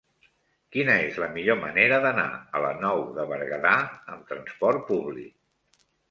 Quina és la millor manera d'anar a la Nou de Berguedà amb trasport públic?